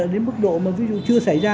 đến mức độ mà ví dụ chưa xảy ra